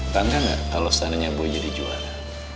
tanda gak kalau seandainya boy jadi juara